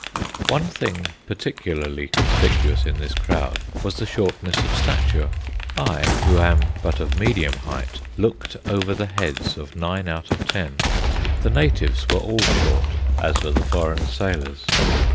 One thing particularly conspicuous in this crowd was the shortness of stature. I, who am but of medium height, looked over the heads of nine out of ten. The natives were all short, as were the foreign sailors.